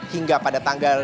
hingga pada hari ini